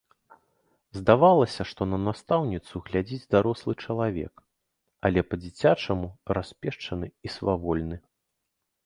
Здавалася, што на настаўніцу глядзіць дарослы чалавек, але па-дзіцячаму распешчаны і свавольны.